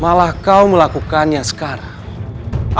malah kau melakukannya sekarang